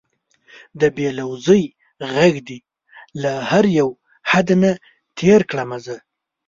د بې لوظۍ غږ دې له هر یو حد نه تېر کړمه زه